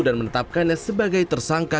dan menetapkannya sebagai tersangka